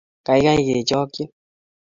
kaikai kechokchi